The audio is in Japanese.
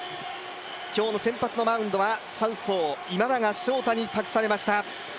今日の先発のマウンドは、サウスポー・今永昇太に託されました。